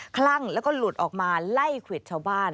คลั่งแล้วก็หลุดออกมาไล่ควิดชาวบ้าน